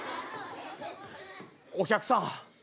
お客さん